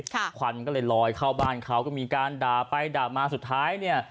ควันก็เลยลอยเข้าบ้านเขาก็มีการด่าไปด่ามาสุดท้ายเนี่ย